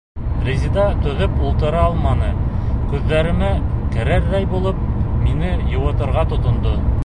Резеда түҙеп ултыра алманы, күҙҙәремә керерҙәй булып, мине йыуатырға тотондо: